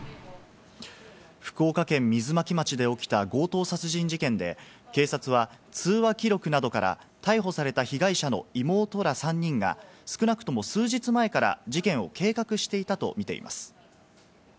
福岡県水巻町で起きた強盗殺人事件で、警察は通話記録などから、逮捕された被害者の妹ら３人が少なくとも数日前から事件を計画していたとみています。